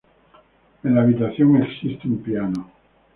En la habitación existe un piano.